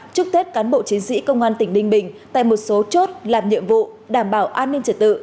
chúc tết cán bộ chiến sĩ công an tỉnh ninh bình tại một số chốt làm nhiệm vụ đảm bảo an ninh trật tự